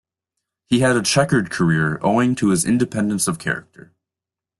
He had a chequered career, owing to his independence of character.